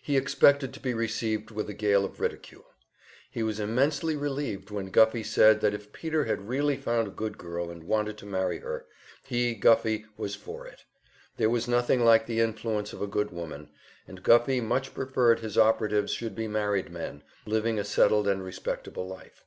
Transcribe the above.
He expected to be received with a gale of ridicule; he was immensely relieved when Guffey said that if Peter had really found a good girl and wanted to marry her, he, Guffey, was for it. There was nothing like the influence of a good woman, and Guffey much preferred his operatives should be married men, living a settled and respectable life.